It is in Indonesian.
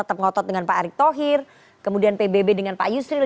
kemudian pantetengotot dengan pak arik thohir kemudian pbb dengan pak yusril